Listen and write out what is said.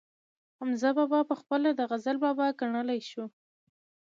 حمزه بابا پخپله د غزل بابا ګڼلی شو